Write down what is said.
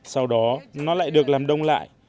sau đó nó lại được làm đông lại